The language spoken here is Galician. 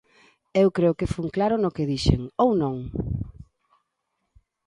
Eu creo que fun claro no que dixen, ¿ou non?